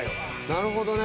なるほどね。